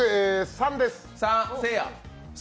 ３です。